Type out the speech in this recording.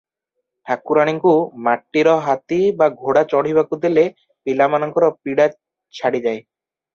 ଠାକୁରାଣୀଙ୍କୁ ମାଟିର ହାତୀ ବା ଘୋଡା ଚଢ଼ିବାକୁ ଦେଲେ ପିଲାମାନଙ୍କର ପୀଡ଼ା ଛାଡିଯାଏ ।